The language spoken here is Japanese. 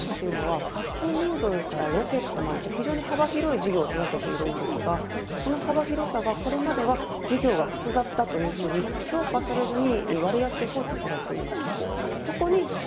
商社というのはカップヌードルからロケットまでと非常に幅広い事業を手掛けているんですがその幅広さが、これまでは事業が複雑だというふうに評価されずに割安で放置されていました。